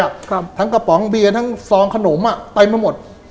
ครับทั้งกระป๋องเบียร์ทั้งซองขนมอ่ะเต็มไปหมด